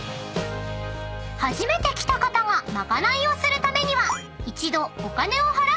［初めて来た方がまかないをするためには］